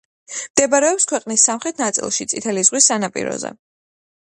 მდებარეობს ქვეყნის სამხრეთ ნაწილში, წითელი ზღვის სანაპიროზე.